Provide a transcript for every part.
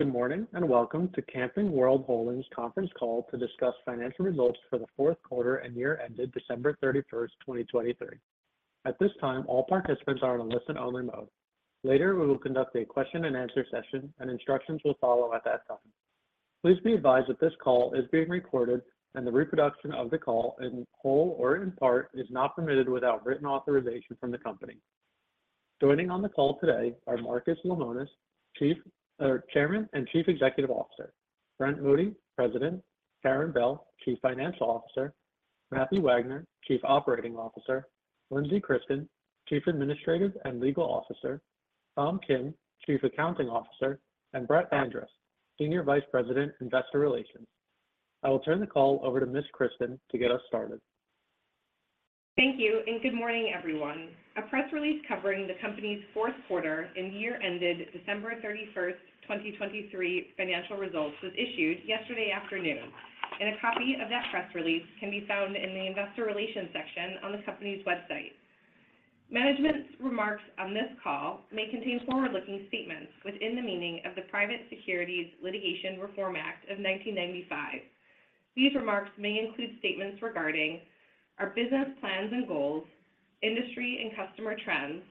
Good morning and welcome to Camping World Holdings conference call to discuss financial results for the fourth quarter and year-ended December 31st, 2023. At this time, all participants are in a listen-only mode. Later, we will conduct a question-and-answer session, and instructions will follow at that time. Please be advised that this call is being recorded, and the reproduction of the call in whole or in part is not permitted without written authorization from the company. Joining on the call today are Marcus Lemonis, Chairman and Chief Executive Officer; Brent Moody, President; Karin Bell, Chief Financial Officer; Matthew Wagner, Chief Operating Officer; Lindsey Christen, Chief Administrative and Legal Officer; Tom Kirn, Chief Accounting Officer; and Brett Andress, Senior Vice President, Investor Relations. I will turn the call over to Ms. Christen to get us started. Thank you, and good morning, everyone. A press release covering the company's fourth quarter and year-ended December 31st, 2023 financial results was issued yesterday afternoon, and a copy of that press release can be found in the Investor Relations section on the company's website. Management's remarks on this call may contain forward-looking statements within the meaning of the Private Securities Litigation Reform Act of 1995. These remarks may include statements regarding our business plans and goals, industry and customer trends,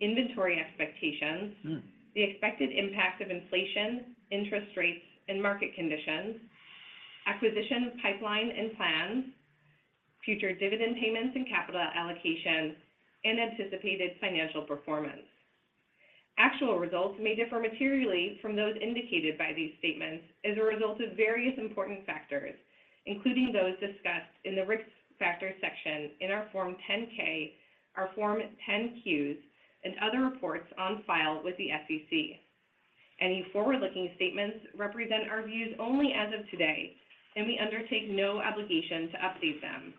inventory expectations, the expected impact of inflation, interest rates, and market conditions, acquisition pipeline and plans, future dividend payments and capital allocation, and anticipated financial performance. Actual results may differ materially from those indicated by these statements as a result of various important factors, including those discussed in the Risk Factors section in our Form 10-K, our Form 10-Qs, and other reports on file with the SEC. Any forward-looking statements represent our views only as of today, and we undertake no obligation to update them.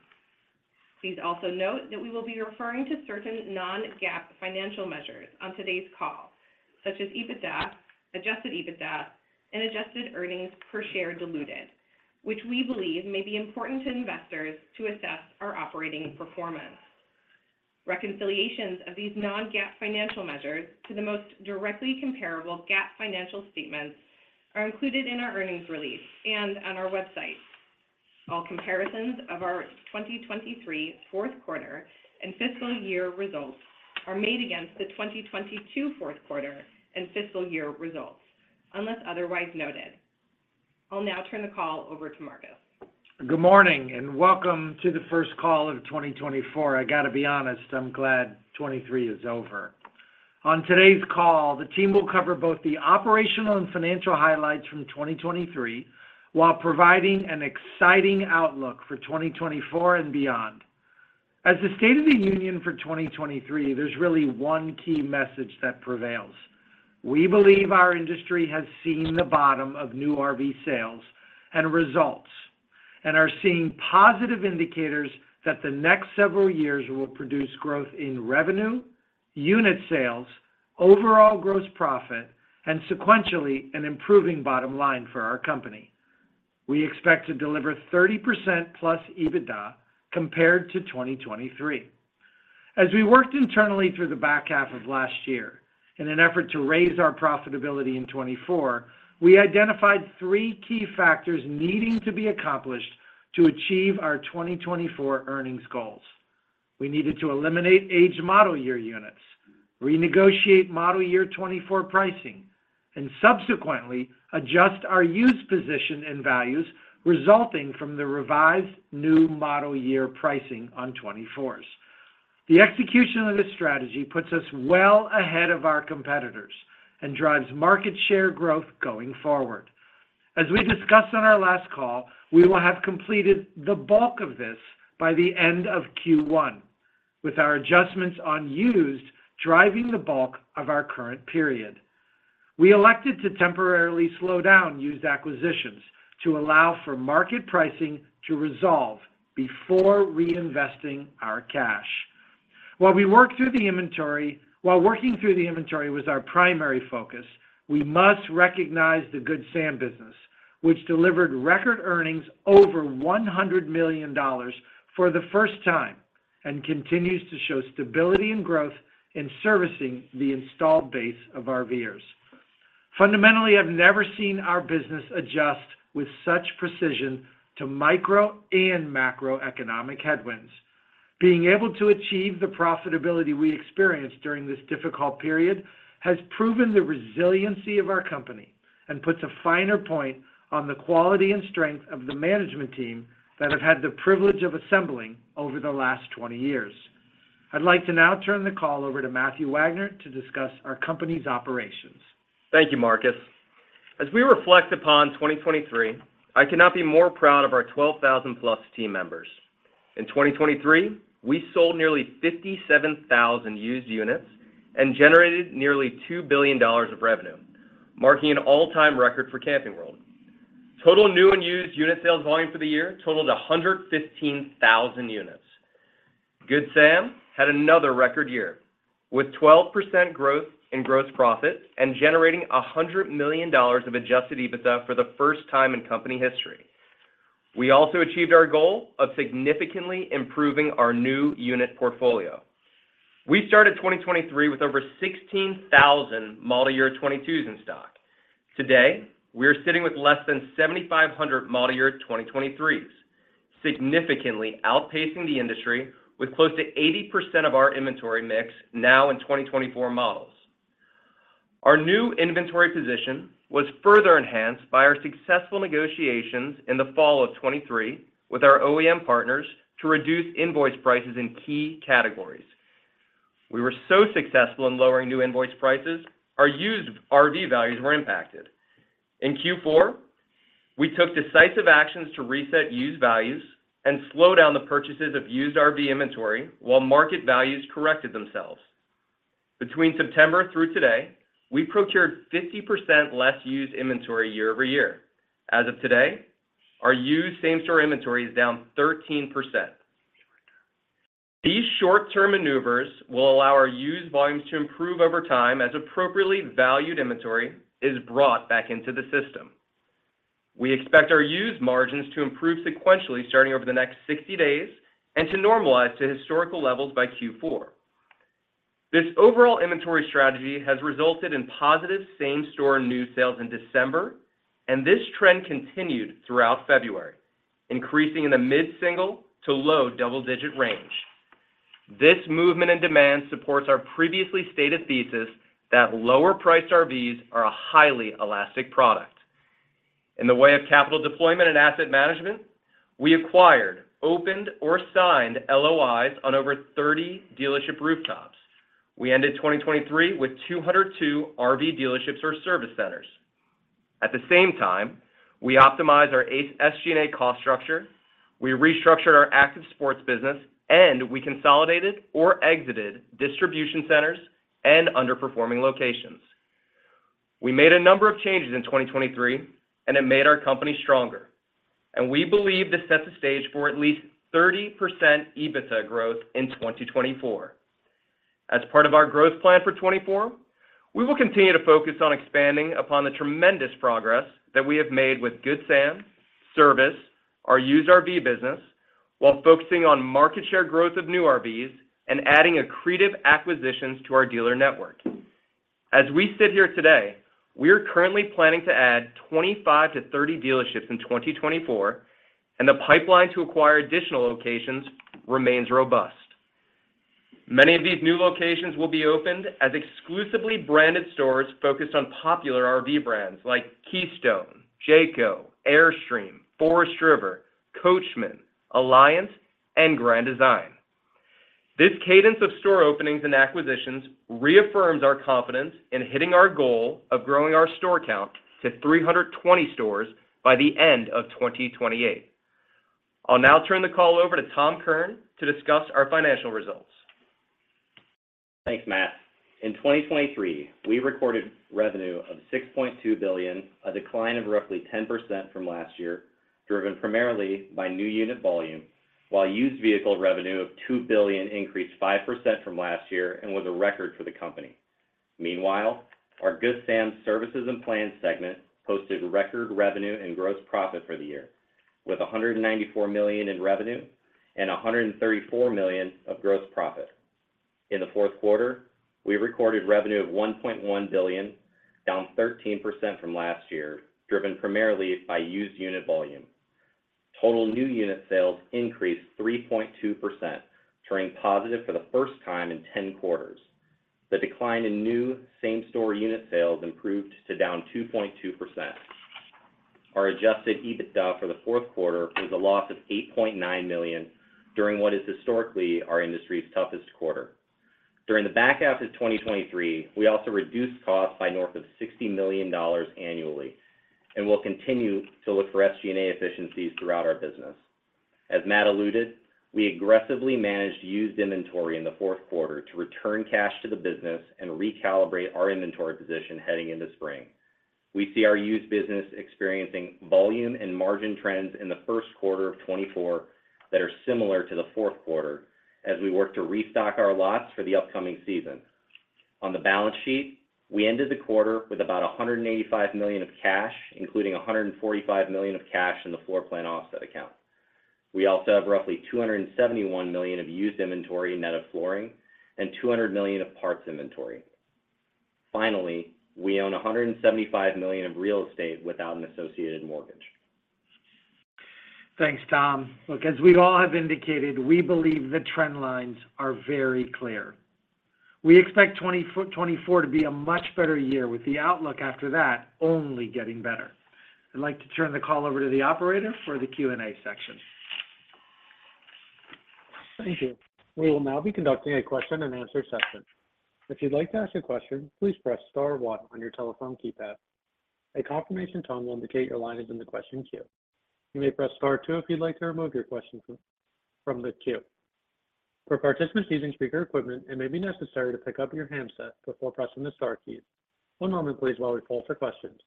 Please also note that we will be referring to certain non-GAAP financial measures on today's call, such as EBITDA, Adjusted EBITDA, and Adjusted Earnings Per Share diluted, which we believe may be important to investors to assess our operating performance. Reconciliations of these non-GAAP financial measures to the most directly comparable GAAP financial statements are included in our earnings release and on our website. All comparisons of our 2023 fourth quarter and fiscal year results are made against the 2022 fourth quarter and fiscal year results, unless otherwise noted. I'll now turn the call over to Marcus. Good morning and welcome to the first call of 2024. I got to be honest, I'm glad 2023 is over. On today's call, the team will cover both the operational and financial highlights from 2023 while providing an exciting outlook for 2024 and beyond. As the State of the Union for 2023, there's really one key message that prevails. We believe our industry has seen the bottom of new RV sales and results and are seeing positive indicators that the next several years will produce growth in revenue, unit sales, overall gross profit, and sequentially an improving bottom line for our company. We expect to deliver 30%+ EBITDA compared to 2023. As we worked internally through the back half of last year in an effort to raise our profitability in 2024, we identified three key factors needing to be accomplished to achieve our 2024 earnings goals. We needed to eliminate aged model year units, renegotiate model year 2024 pricing, and subsequently adjust our used position and values resulting from the revised new model year pricing on 2024s. The execution of this strategy puts us well ahead of our competitors and drives market share growth going forward. As we discussed on our last call, we will have completed the bulk of this by the end of Q1, with our adjustments on used driving the bulk of our current period. We elected to temporarily slow down used acquisitions to allow for market pricing to resolve before reinvesting our cash. While we worked through the inventory was our primary focus, we must recognize the Good Sam business, which delivered record earnings over $100 million for the first time and continues to show stability and growth in servicing the installed base of RVers. Fundamentally, I've never seen our business adjust with such precision to micro and macroeconomic headwinds. Being able to achieve the profitability we experienced during this difficult period has proven the resiliency of our company and puts a finer point on the quality and strength of the management team that have had the privilege of assembling over the last 20 years. I'd like to now turn the call over to Matthew Wagner to discuss our company's operations. Thank you, Marcus. As we reflect upon 2023, I cannot be more proud of our 12,000+ team members. In 2023, we sold nearly 57,000 used units and generated nearly $2 billion of revenue, marking an all-time record for Camping World. Total new and used unit sales volume for the year totaled 115,000 units. Good Sam had another record year with 12% growth in gross profit and generating $100 million of Adjusted EBITDA for the first time in company history. We also achieved our goal of significantly improving our new unit portfolio. We started 2023 with over 16,000 model year 2022s in stock. Today, we are sitting with less than 7,500 model year 2023s, significantly outpacing the industry with close to 80% of our inventory mix now in 2024 models. Our new inventory position was further enhanced by our successful negotiations in the fall of 2023 with our OEM partners to reduce invoice prices in key categories. We were so successful in lowering new invoice prices, our used RV values were impacted. In Q4, we took decisive actions to reset used values and slow down the purchases of used RV inventory while market values corrected themselves. Between September through today, we procured 50% less used inventory year-over-year. As of today, our used same-store inventory is down 13%. These short-term maneuvers will allow our used volumes to improve over time as appropriately valued inventory is brought back into the system. We expect our used margins to improve sequentially starting over the next 60 days and to normalize to historical levels by Q4. This overall inventory strategy has resulted in positive same-store new sales in December, and this trend continued throughout February, increasing in the mid-single to low double-digit range. This movement in demand supports our previously stated thesis that lower-priced RVs are a highly elastic product. In the way of capital deployment and asset management, we acquired opened or signed LOIs on over 30 dealership rooftops. We ended 2023 with 202 RV dealerships or service centers. At the same time, we optimized our SG&A cost structure, we restructured our Active Sports business, and we consolidated or exited distribution centers and underperforming locations. We made a number of changes in 2023, and it made our company stronger, and we believe this sets the stage for at least 30% EBITDA growth in 2024. As part of our growth plan for 2024, we will continue to focus on expanding upon the tremendous progress that we have made with Good Sam, service, our used RV business, while focusing on market share growth of new RVs and adding accretive acquisitions to our dealer network. As we sit here today, we are currently planning to add 25-30 dealerships in 2024, and the pipeline to acquire additional locations remains robust. Many of these new locations will be opened as exclusively branded stores focused on popular RV brands like Keystone, Jayco, Airstream, Forest River, Coachmen, Alliance, and Grand Design. This cadence of store openings and acquisitions reaffirms our confidence in hitting our goal of growing our store count to 320 stores by the end of 2028. I'll now turn the call over to Tom Kirn to discuss our financial results. Thanks, Matt. In 2023, we recorded revenue of $6.2 billion, a decline of roughly 10% from last year, driven primarily by new unit volume, while used vehicle revenue of $2 billion increased 5% from last year and was a record for the company. Meanwhile, our Good Sam Services and Plans segment posted record revenue and gross profit for the year, with $194 million in revenue and $134 million of gross profit. In the fourth quarter, we recorded revenue of $1.1 billion, down 13% from last year, driven primarily by used unit volume. Total new unit sales increased 3.2%, turning positive for the first time in 10 quarters. The decline in new same-store unit sales improved to down 2.2%. Our Adjusted EBITDA for the fourth quarter was a loss of $8.9 million during what is historically our industry's toughest quarter. During the back half of 2023, we also reduced costs by north of $60 million annually and will continue to look for SG&A efficiencies throughout our business. As Matt alluded, we aggressively managed used inventory in the fourth quarter to return cash to the business and recalibrate our inventory position heading into spring. We see our used business experiencing volume and margin trends in the first quarter of 2024 that are similar to the fourth quarter as we work to restock our lots for the upcoming season. On the balance sheet, we ended the quarter with about $185 million of cash, including $145 million of cash in the Floor Plan Offset Account. We also have roughly $271 million of used inventory net of flooring and $200 million of parts inventory. Finally, we own $175 million of real estate without an associated mortgage. Thanks, Tom. Look, as we all have indicated, we believe the trend lines are very clear. We expect 2024 to be a much better year, with the outlook after that only getting better. I'd like to turn the call over to the operator for the Q&A section. Thank you. We will now be conducting a question-and-answer session. If you'd like to ask a question, please press star one on your telephone keypad. A confirmation tone will indicate your line is in the question queue. You may press star two if you'd like to remove your question from the queue. For participants using speaker equipment, it may be necessary to pick up your handset before pressing the star keys. One moment please, while we poll for questions.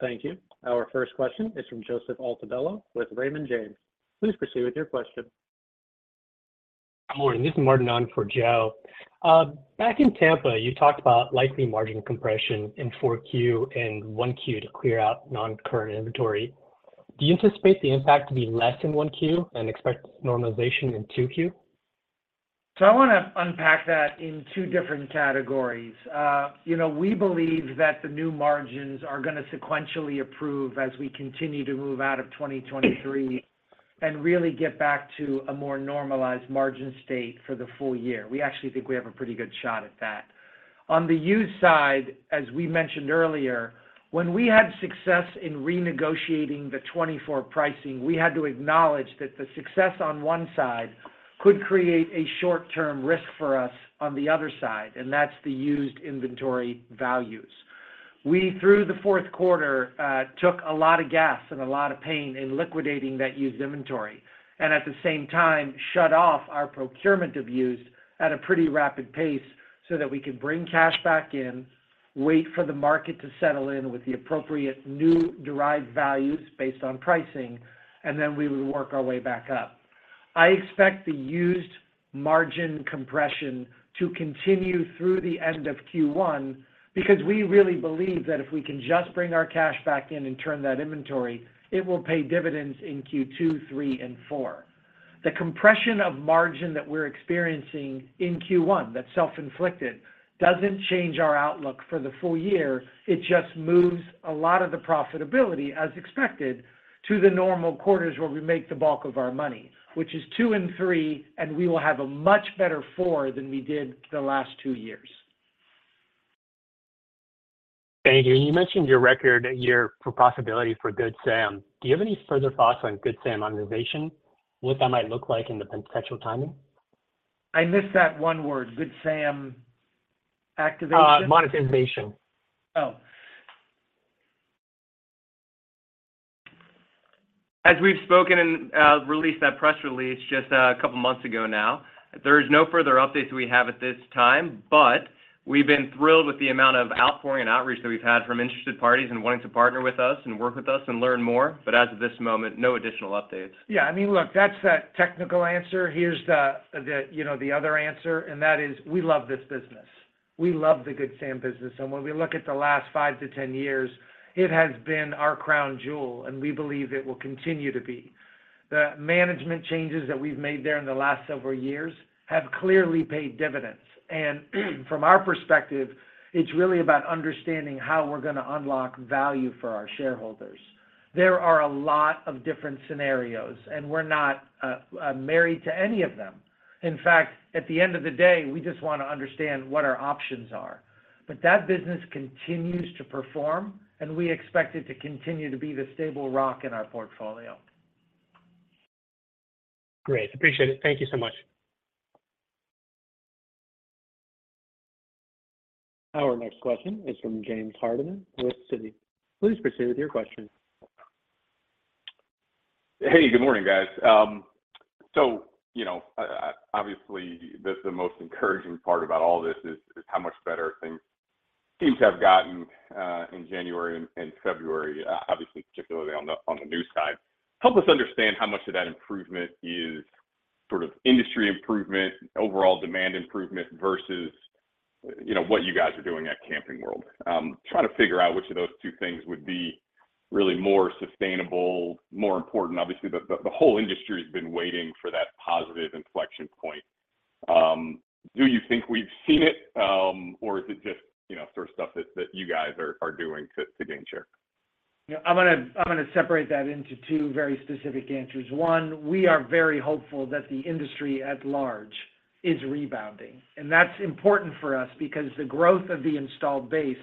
Thank you. Our first question is from Joseph Altobello with Raymond James. Please proceed with your question. Good morning. This is Martin on for Joe. Back in Tampa, you talked about likely margin compression in 4Q and 1Q to clear out non-current inventory. Do you anticipate the impact to be less in 1Q and expect normalization in 2Q? So I want to unpack that in two different categories. We believe that the new margins are going to sequentially improve as we continue to move out of 2023 and really get back to a more normalized margin state for the full year. We actually think we have a pretty good shot at that. On the used side, as we mentioned earlier, when we had success in renegotiating the 2024 pricing, we had to acknowledge that the success on one side could create a short-term risk for us on the other side, and that's the used inventory values. We, through the fourth quarter, took a lot of gas and a lot of pain in liquidating that used inventory and, at the same time, shut off our procurement of used at a pretty rapid pace so that we could bring cash back in, wait for the market to settle in with the appropriate new derived values based on pricing, and then we would work our way back up. I expect the used margin compression to continue through the end of Q1 because we really believe that if we can just bring our cash back in and turn that inventory, it will pay dividends in Q2, Q3, and Q4. The compression of margin that we're experiencing in Q1, that self-inflicted, doesn't change our outlook for the full year. It just moves a lot of the profitability, as expected, to the normal quarters where we make the bulk of our money, which is 2 and 3, and we will have a much better 4 than we did the last two years. Thank you. You mentioned your record year for possibility for Good Sam. Do you have any further thoughts on Good Sam monetization, what that might look like in the potential timing? I missed that one word. Good Sam activation? Monetization. Oh. As we've spoken and released that press release just a couple of months ago now, there is no further updates we have at this time. But we've been thrilled with the amount of outpouring and outreach that we've had from interested parties and wanting to partner with us and work with us and learn more. But as of this moment, no additional updates. Yeah. I mean, look, that's that technical answer. Here's the other answer, and that is we love this business. We love the Good Sam business. And when we look at the last 5-10 years, it has been our crown jewel, and we believe it will continue to be. The management changes that we've made there in the last several years have clearly paid dividends. And from our perspective, it's really about understanding how we're going to unlock value for our shareholders. There are a lot of different scenarios, and we're not married to any of them. In fact, at the end of the day, we just want to understand what our options are. But that business continues to perform, and we expect it to continue to be the stable rock in our portfolio. Great. Appreciate it. Thank you so much. Our next question is from James Hardiman with Citi. Please proceed with your question. Hey. Good morning, guys. So obviously, the most encouraging part about all this is how much better things seem to have gotten in January and February, obviously, particularly on the news side. Help us understand how much of that improvement is sort of industry improvement, overall demand improvement versus what you guys are doing at Camping World. Trying to figure out which of those two things would be really more sustainable, more important. Obviously, the whole industry has been waiting for that positive inflection point. Do you think we've seen it, or is it just sort of stuff that you guys are doing to gain share? I'm going to separate that into two very specific answers. One, we are very hopeful that the industry at large is rebounding. That's important for us because the growth of the installed base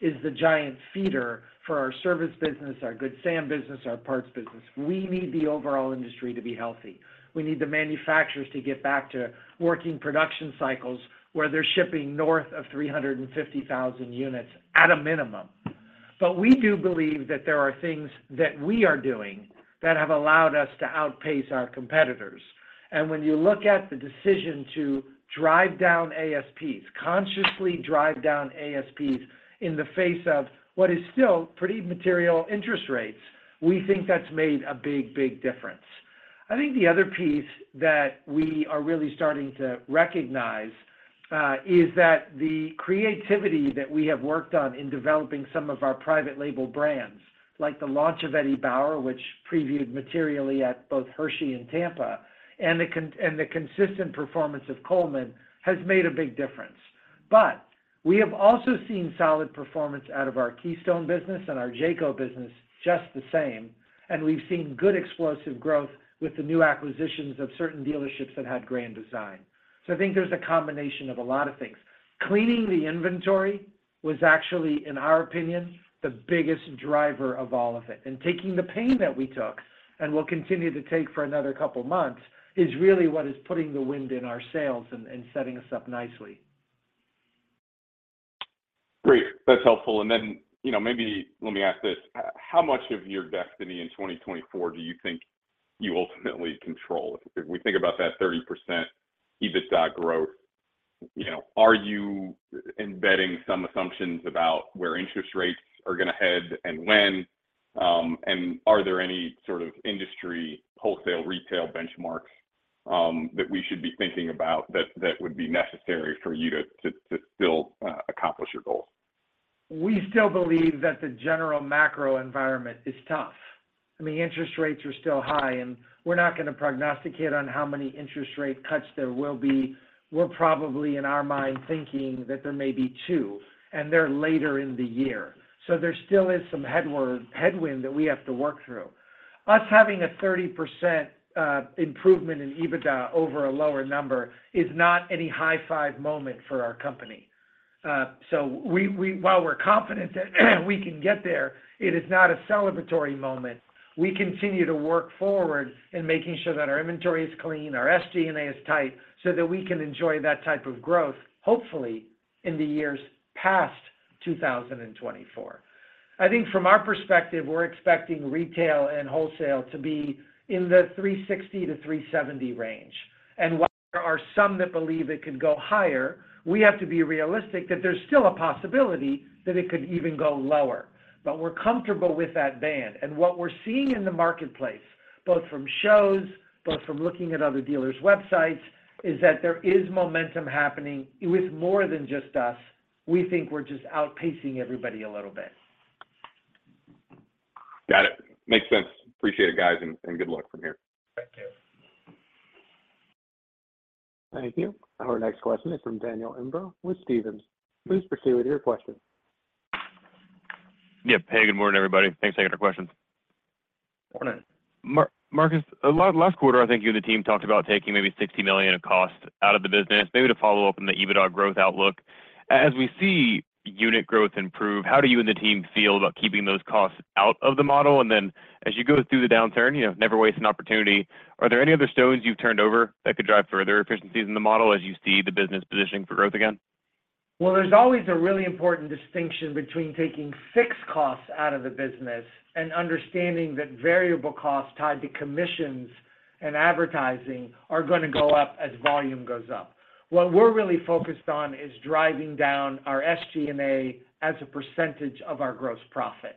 is the giant feeder for our service business, our Good Sam business, our parts business. We need the overall industry to be healthy. We need the manufacturers to get back to working production cycles where they're shipping north of 350,000 units at a minimum. We do believe that there are things that we are doing that have allowed us to outpace our competitors. When you look at the decision to drive down ASPs, consciously drive down ASPs in the face of what is still pretty material interest rates, we think that's made a big, big difference. I think the other piece that we are really starting to recognize is that the creativity that we have worked on in developing some of our private-label brands, like the launch of Eddie Bauer, which previewed materially at both Hershey and Tampa, and the consistent performance of Coleman, has made a big difference. But we have also seen solid performance out of our Keystone business and our Jayco business just the same. And we've seen good explosive growth with the new acquisitions of certain dealerships that had Grand Design. So I think there's a combination of a lot of things. Cleaning the inventory was actually, in our opinion, the biggest driver of all of it. And taking the pain that we took and will continue to take for another couple of months is really what is putting the wind in our sales and setting us up nicely. Great. That's helpful. And then maybe let me ask this. How much of your destiny in 2024 do you think you ultimately control? If we think about that 30% EBITDA growth, are you embedding some assumptions about where interest rates are going to head and when? And are there any sort of industry wholesale retail benchmarks that we should be thinking about that would be necessary for you to still accomplish your goals? We still believe that the general macro environment is tough. I mean, interest rates are still high, and we're not going to prognosticate on how many interest rate cuts there will be. We're probably, in our mind, thinking that there may be two, and they're later in the year. So there still is some headwind that we have to work through. Us having a 30% improvement in EBITDA over a lower number is not any high-five moment for our company. So while we're confident that we can get there, it is not a celebratory moment. We continue to work forward in making sure that our inventory is clean, our SG&A is tight so that we can enjoy that type of growth, hopefully, in the years past 2024. I think from our perspective, we're expecting retail and wholesale to be in the 360-370 range. While there are some that believe it could go higher, we have to be realistic that there's still a possibility that it could even go lower. We're comfortable with that band. What we're seeing in the marketplace, both from shows, both from looking at other dealers' websites, is that there is momentum happening with more than just us. We think we're just outpacing everybody a little bit. Got it. Makes sense. Appreciate it, guys, and good luck from here. Thank you. Thank you. Our next question is from Daniel Imbro with Stephens. Please proceed with your question. Yeah. Hey. Good morning, everybody. Thanks for taking our questions. Good morning. Marcus, last quarter, I think you and the team talked about taking maybe $60 million of cost out of the business, maybe to follow up on the EBITDA growth outlook. As we see unit growth improve, how do you and the team feel about keeping those costs out of the model? And then as you go through the downturn, never waste an opportunity. Are there any other stones you've turned over that could drive further efficiencies in the model as you see the business positioning for growth again? Well, there's always a really important distinction between taking fixed costs out of the business and understanding that variable costs tied to commissions and advertising are going to go up as volume goes up. What we're really focused on is driving down our SG&A as a percentage of our gross profit.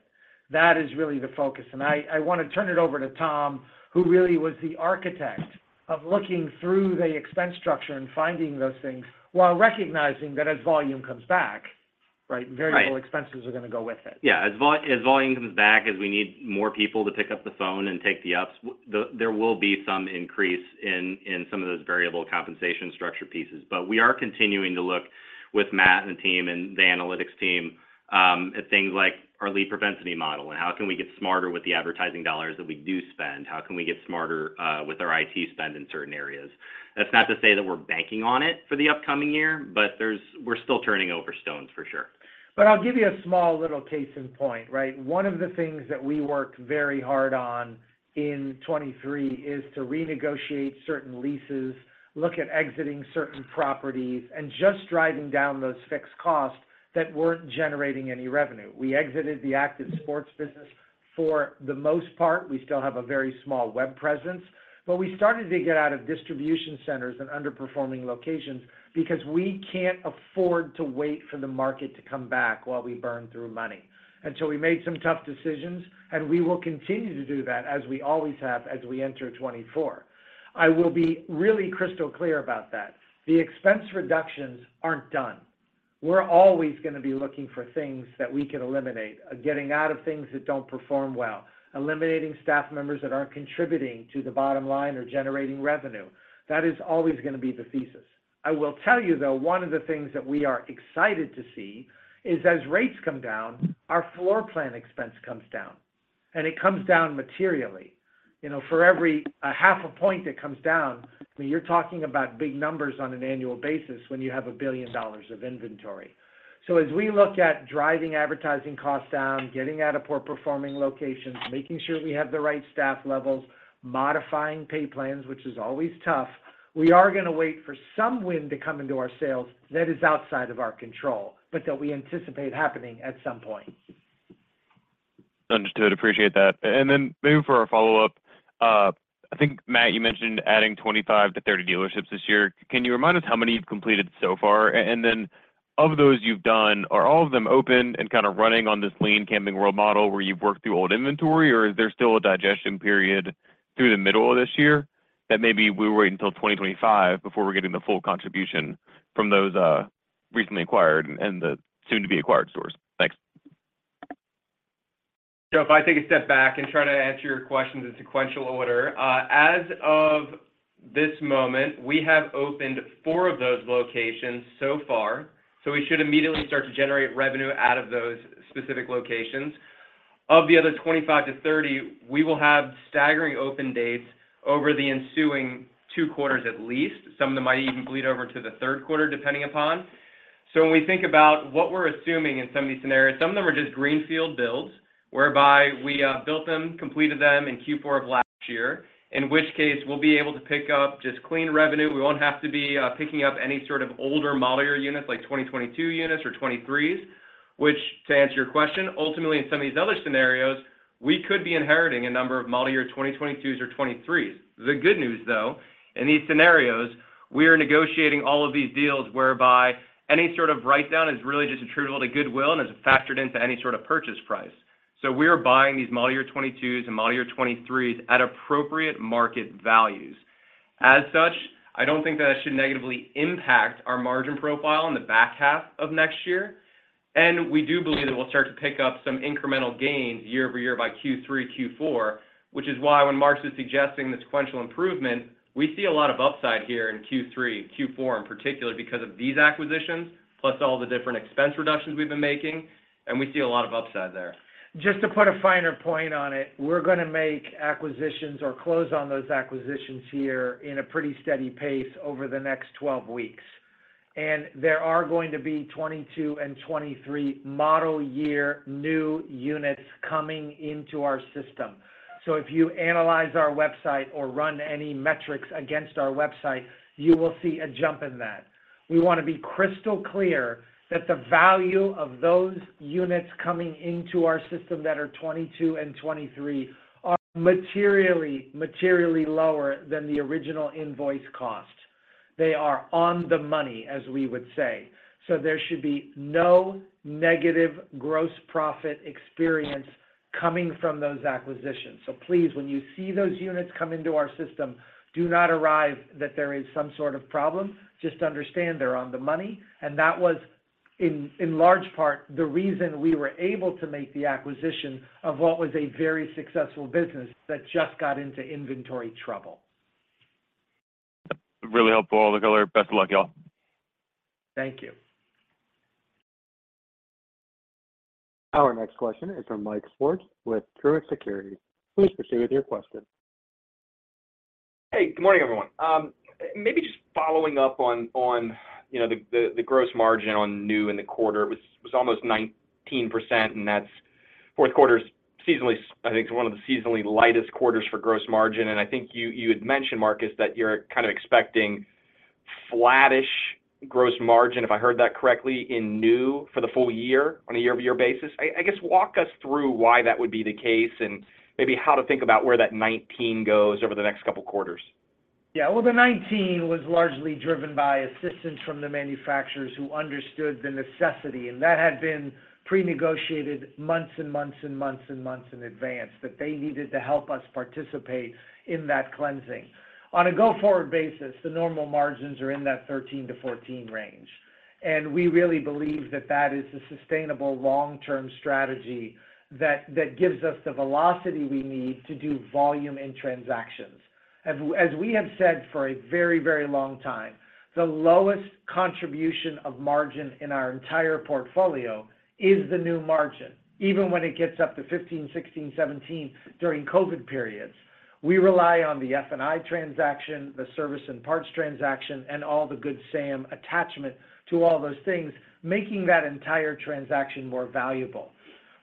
That is really the focus. I want to turn it over to Tom, who really was the architect of looking through the expense structure and finding those things while recognizing that as volume comes back, variable expenses are going to go with it. Yeah. As volume comes back, as we need more people to pick up the phone and take the ups, there will be some increase in some of those variable compensation structure pieces. But we are continuing to look with Matt and the team and the analytics team at things like our lead propensity model and how can we get smarter with the advertising dollars that we do spend? How can we get smarter with our IT spend in certain areas? That's not to say that we're banking on it for the upcoming year, but we're still turning over stones, for sure. But I'll give you a small little case in point, right? One of the things that we worked very hard on in 2023 is to renegotiate certain leases, look at exiting certain properties, and just driving down those fixed costs that weren't generating any revenue. We exited the Active Sports business for the most part. We still have a very small web presence. But we started to get out of distribution centers and underperforming locations because we can't afford to wait for the market to come back while we burn through money. And so we made some tough decisions, and we will continue to do that as we always have as we enter 2024. I will be really crystal clear about that. The expense reductions aren't done. We're always going to be looking for things that we can eliminate, getting out of things that don't perform well, eliminating staff members that aren't contributing to the bottom line or generating revenue. That is always going to be the thesis. I will tell you, though, one of the things that we are excited to see is as rates come down, our floor plan expense comes down, and it comes down materially. For every 0.5 point that comes down, I mean, you're talking about big numbers on an annual basis when you have $1 billion of inventory. So as we look at driving advertising costs down, getting out of poor-performing locations, making sure we have the right staff levels, modifying pay plans, which is always tough, we are going to wait for some wind to come into our sales that is outside of our control but that we anticipate happening at some point. Understood. Appreciate that. And then maybe for our follow-up, I think, Matt, you mentioned adding 25-30 dealerships this year. Can you remind us how many you've completed so far? And then of those you've done, are all of them open and kind of running on this lean Camping World model where you've worked through old inventory, or is there still a digestion period through the middle of this year that maybe we'll wait until 2025 before we're getting the full contribution from those recently acquired and the soon-to-be acquired stores? Thanks. Josh, if I take a step back and try to answer your questions in sequential order. As of this moment, we have opened 4 of those locations so far, so we should immediately start to generate revenue out of those specific locations. Of the other 25-30, we will have staggering open dates over the ensuing 2 quarters at least. Some of them might even bleed over into the third quarter, depending upon. So when we think about what we're assuming in some of these scenarios, some of them are just greenfield builds whereby we built them, completed them in Q4 of last year, in which case we'll be able to pick up just clean revenue. We won't have to be picking up any sort of older model year units like 2022 units or 2023s, which, to answer your question, ultimately, in some of these other scenarios, we could be inheriting a number of model year 2022s or 2023s. The good news, though, in these scenarios, we are negotiating all of these deals whereby any sort of write-down is really just attributable to goodwill and is factored into any sort of purchase price. So we are buying these model year 2022s and model year 2023s at appropriate market values. As such, I don't think that that should negatively impact our margin profile in the back half of next year. We do believe that we'll start to pick up some incremental gains year over year by Q3, Q4, which is why when Marcus is suggesting the sequential improvement, we see a lot of upside here in Q3, Q4 in particular because of these acquisitions plus all the different expense reductions we've been making. We see a lot of upside there. Just to put a finer point on it, we're going to make acquisitions or close on those acquisitions here in a pretty steady pace over the next 12 weeks. There are going to be 2022 and 2023 model year new units coming into our system. So if you analyze our website or run any metrics against our website, you will see a jump in that. We want to be crystal clear that the value of those units coming into our system that are 2022 and 2023 are materially lower than the original invoice cost. They are on the money, as we would say. So there should be no negative gross profit experience coming from those acquisitions. So please, when you see those units come into our system, do not arrive that there is some sort of problem. Just understand they're on the money. That was, in large part, the reason we were able to make the acquisition of what was a very successful business that just got into inventory trouble. Really helpful, all the color. Best of luck, y'all. Thank you. Our next question is from Mike Swartz with Truist Securities. Please proceed with your question. Hey. Good morning, everyone. Maybe just following up on the gross margin on new in the quarter. It was almost 19%, and that's fourth quarter, seasonally. I think it's one of the seasonally lightest quarters for gross margin. And I think you had mentioned, Marcus, that you're kind of expecting flat-ish gross margin, if I heard that correctly, in new for the full year on a year-over-year basis. I guess walk us through why that would be the case and maybe how to think about where that 19 goes over the next couple of quarters. Yeah. Well, the 19% was largely driven by assistance from the manufacturers who understood the necessity. And that had been prenegotiated months and months and months and months in advance, that they needed to help us participate in that cleansing. On a go-forward basis, the normal margins are in that 13%-14% range. And we really believe that that is a sustainable long-term strategy that gives us the velocity we need to do volume and transactions. As we have said for a very, very long time, the lowest contribution of margin in our entire portfolio is the new margin, even when it gets up to 15%, 16%, 17% during COVID periods. We rely on the F&I transaction, the service and parts transaction, and all the Good Sam attachment to all those things, making that entire transaction more valuable.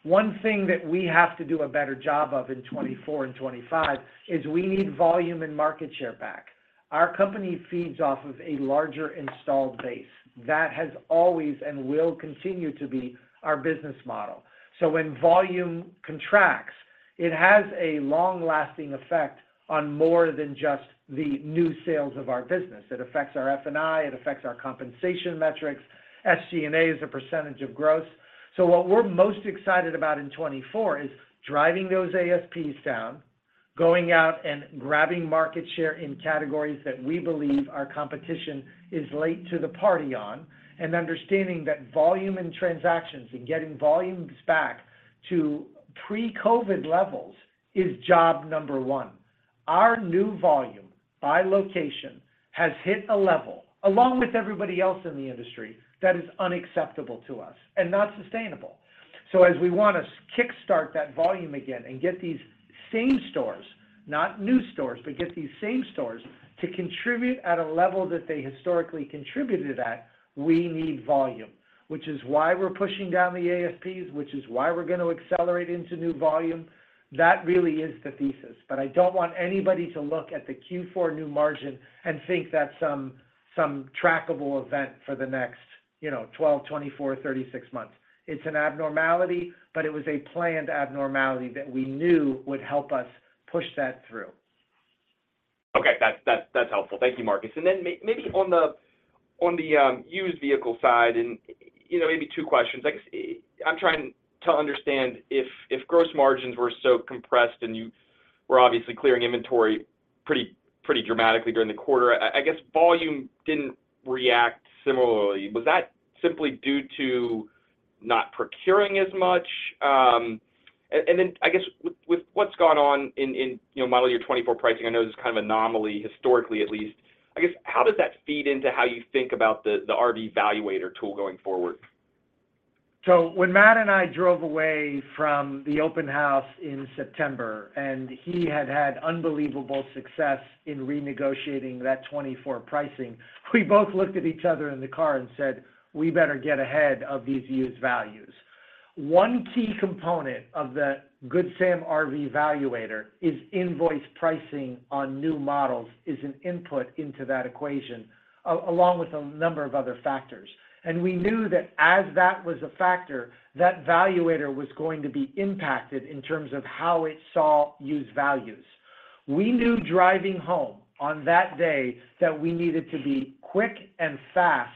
One thing that we have to do a better job of in 2024 and 2025 is we need volume and market share back. Our company feeds off of a larger installed base. That has always and will continue to be our business model. So when volume contracts, it has a long-lasting effect on more than just the new sales of our business. It affects our F&I. It affects our compensation metrics. SG&A is a percentage of gross. So what we're most excited about in 2024 is driving those ASPs down, going out and grabbing market share in categories that we believe our competition is late to the party on, and understanding that volume and transactions and getting volumes back to pre-COVID levels is job number one. Our new volume by location has hit a level, along with everybody else in the industry, that is unacceptable to us and not sustainable. So, as we want to kick-start that volume again and get these same stores, not new stores, but get these same stores to contribute at a level that they historically contributed at, we need volume, which is why we're pushing down the ASPs, which is why we're going to accelerate into new volume. That really is the thesis. But I don't want anybody to look at the Q4 new margin and think that's some trackable event for the next 12, 24, 36 months. It's an abnormality, but it was a planned abnormality that we knew would help us push that through. Okay. That's helpful. Thank you, Marcus. And then maybe on the used vehicle side, and maybe two questions. I guess I'm trying to understand if gross margins were so compressed and you were obviously clearing inventory pretty dramatically during the quarter, I guess volume didn't react similarly. Was that simply due to not procuring as much? And then I guess with what's gone on in model year 2024 pricing, I know this is kind of anomaly, historically at least, I guess how does that feed into how you think about the RV Valuator tool going forward? So when Matt and I drove away from the open house in September, and he had had unbelievable success in renegotiating that 2024 pricing, we both looked at each other in the car and said, "We better get ahead of these used values." One key component of the Good Sam RV Valuator is invoice pricing on new models is an input into that equation along with a number of other factors. And we knew that as that was a factor, that valuator was going to be impacted in terms of how it saw used values. We knew driving home on that day that we needed to be quick and fast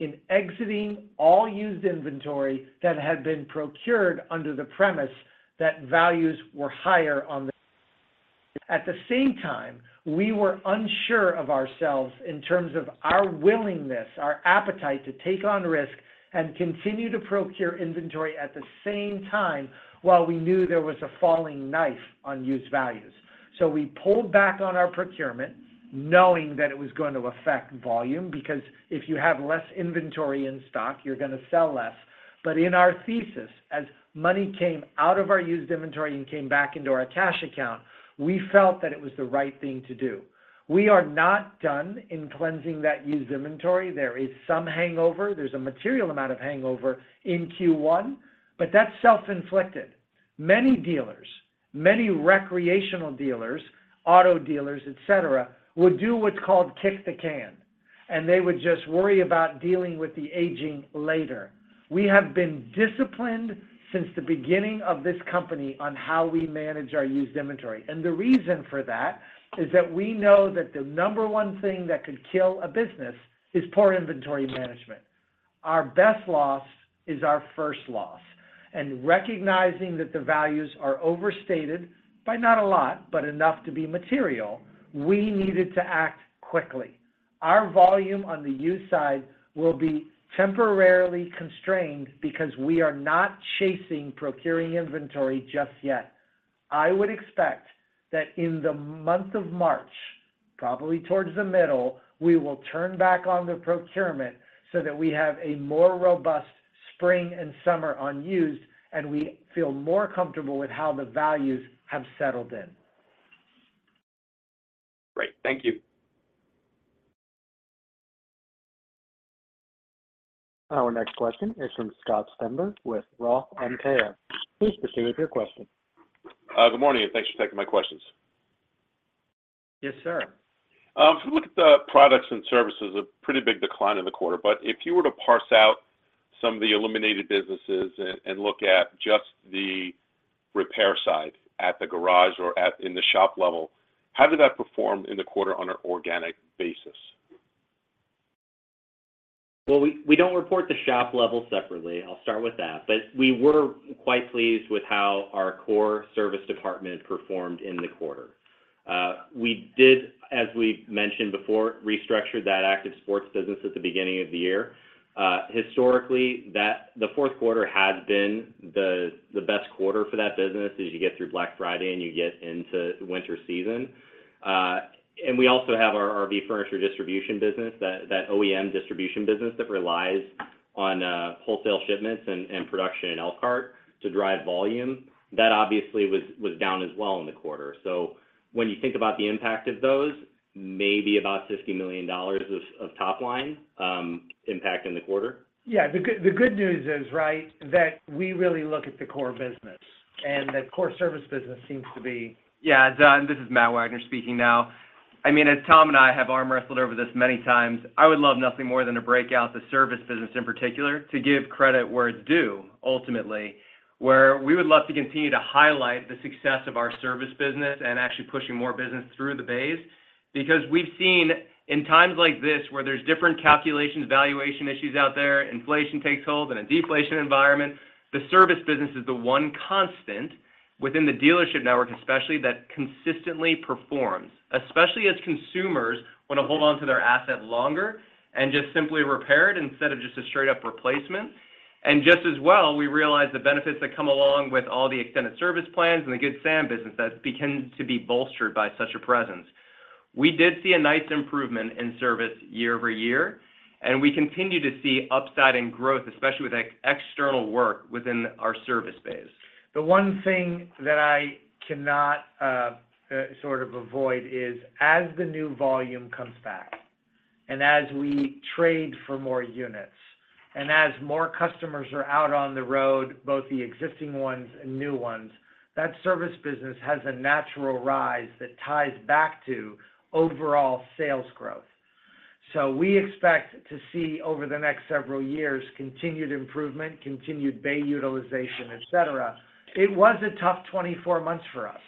in exiting all used inventory that had been procured under the premise that values were higher on the market. At the same time, we were unsure of ourselves in terms of our willingness, our appetite to take on risk and continue to procure inventory at the same time while we knew there was a falling knife on used values. So we pulled back on our procurement knowing that it was going to affect volume because if you have less inventory in stock, you're going to sell less. But in our thesis, as money came out of our used inventory and came back into our cash account, we felt that it was the right thing to do. We are not done in cleansing that used inventory. There is some hangover. There's a material amount of hangover in Q1, but that's self-inflicted. Many dealers, many recreational dealers, auto dealers, etc., would do what's called kick the can, and they would just worry about dealing with the aging later. We have been disciplined since the beginning of this company on how we manage our used inventory. The reason for that is that we know that the number one thing that could kill a business is poor inventory management. Our best loss is our first loss. Recognizing that the values are overstated by not a lot but enough to be material, we needed to act quickly. Our volume on the used side will be temporarily constrained because we are not chasing procuring inventory just yet. I would expect that in the month of March, probably towards the middle, we will turn back on the procurement so that we have a more robust spring and summer on used, and we feel more comfortable with how the values have settled in. Great. Thank you. Our next question is from Scott Stember with Roth MKM. Please proceed with your question. Good morning. Thanks for taking my questions. Yes, sir. If you look at the products and services, a pretty big decline in the quarter. But if you were to parse out some of the eliminated businesses and look at just the repair side at the garage or in the shop level, how did that perform in the quarter on an organic basis? Well, we don't report the shop level separately. I'll start with that. But we were quite pleased with how our core service department performed in the quarter. We did, as we've mentioned before, restructure that Active Sports business at the beginning of the year. Historically, the fourth quarter has been the best quarter for that business as you get through Black Friday and you get into winter season. And we also have our RV furniture distribution business, that OEM distribution business that relies on wholesale shipments and production in Elkhart to drive volume. That, obviously, was down as well in the quarter. So when you think about the impact of those, maybe about $50 million of top-line impact in the quarter. Yeah. The good news is, right, that we really look at the core business, and the core service business seems to be. Yeah. And this is Matt Wagner speaking now. I mean, as Tom and I have arm-wrestled over this many times, I would love nothing more than to break out the service business in particular to give credit where it's due, ultimately, where we would love to continue to highlight the success of our service business and actually pushing more business through the bays. Because we've seen, in times like this where there's different calculations, valuation issues out there, inflation takes hold in a deflation environment, the service business is the one constant within the dealership network, especially, that consistently performs, especially as consumers want to hold onto their asset longer and just simply repair it instead of just a straight-up replacement. Just as well, we realize the benefits that come along with all the extended service plans and the Good Sam business that begin to be bolstered by such a presence. We did see a nice improvement in service year-over-year, and we continue to see upside in growth, especially with external work within our service bays. The one thing that I cannot sort of avoid is as the new volume comes back and as we trade for more units and as more customers are out on the road, both the existing ones and new ones, that service business has a natural rise that ties back to overall sales growth. We expect to see, over the next several years, continued improvement, continued bay utilization, etc. It was a tough 24 months for us,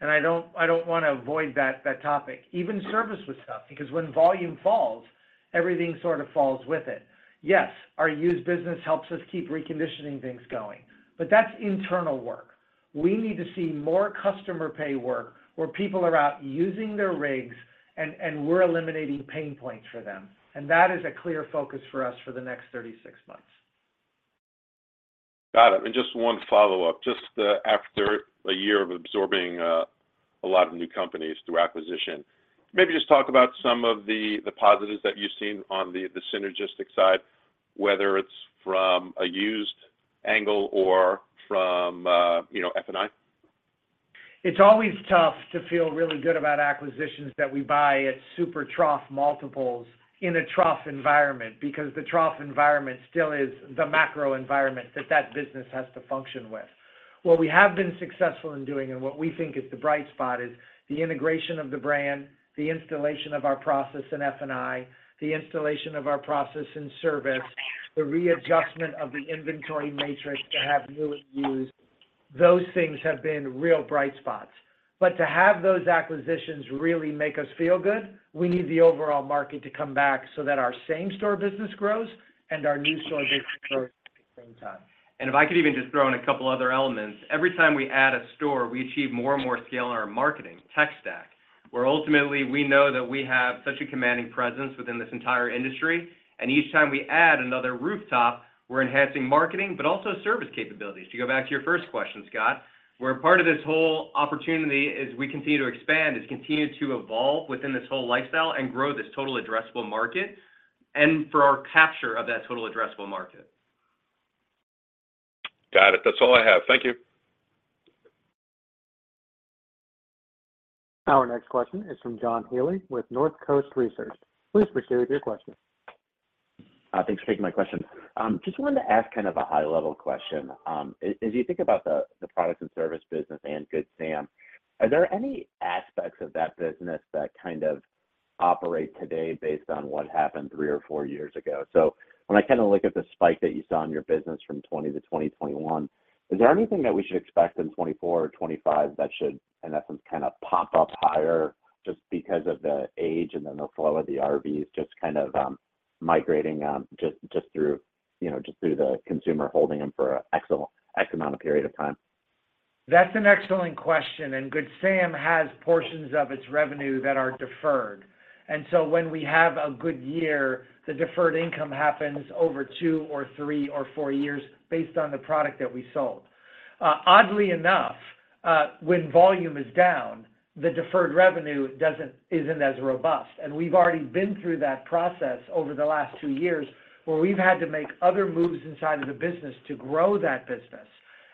and I don't want to avoid that topic. Even service was tough because when volume falls, everything sort of falls with it. Yes, our used business helps us keep reconditioning things going, but that's internal work. We need to see more customer pay work where people are out using their rigs, and we're eliminating pain points for them. That is a clear focus for us for the next 36 months. Got it. Just one follow-up, just after a year of absorbing a lot of new companies through acquisition, maybe just talk about some of the positives that you've seen on the synergistic side, whether it's from a used angle or from F&I. It's always tough to feel really good about acquisitions that we buy at super trough multiples in a trough environment because the trough environment still is the macro environment that that business has to function with. What we have been successful in doing and what we think is the bright spot is the integration of the brand, the installation of our process in F&I, the installation of our process in service, the readjustment of the inventory matrix to have new and used. Those things have been real bright spots. But to have those acquisitions really make us feel good, we need the overall market to come back so that our same-store business grows and our new-store business grows at the same time. If I could even just throw in a couple of other elements, every time we add a store, we achieve more and more scale in our marketing, tech stack, where ultimately, we know that we have such a commanding presence within this entire industry. Each time we add another rooftop, we're enhancing marketing but also service capabilities. To go back to your first question, Scott, where part of this whole opportunity is we continue to expand, is continue to evolve within this whole lifestyle and grow this total addressable market and for our capture of that total addressable market. Got it. That's all I have. Thank you. Our next question is from John Healy with Northcoast Research. Please proceed with your question. Thanks for taking my question. Just wanted to ask kind of a high-level question. As you think about the products and service business and Good Sam, are there any aspects of that business that kind of operate today based on what happened three or four years ago? When I kind of look at the spike that you saw in your business from 2020 to 2021, is there anything that we should expect in 2024 or 2025 that should, in essence, kind of pop up higher just because of the age and then the flow of the RVs just kind of migrating just through the consumer holding them for X amount of period of time? That's an excellent question. Good Sam has portions of its revenue that are deferred. So when we have a good year, the deferred income happens over two or three or four years based on the product that we sold. Oddly enough, when volume is down, the deferred revenue isn't as robust. We've already been through that process over the last two years where we've had to make other moves inside of the business to grow that business.